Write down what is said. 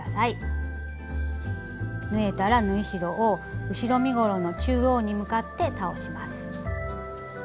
縫えたら縫い代を後ろ身ごろの中央に向かって倒します。